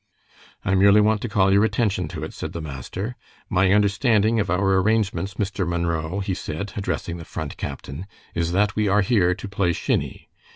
"I merely want to call your attention to it," said the master. "My understanding of our arrangements, Mr. Munro," he said, addressing the Front captain, "is that we are here to play shinny.